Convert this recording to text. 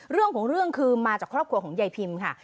เรื่องของเรื่องคือมาจากครอบครัวของยายพิมค่ะ